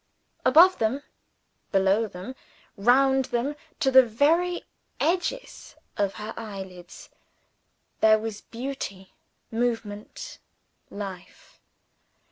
Above them, below them, round them, to the very edges of her eyelids, there was beauty, movement, life.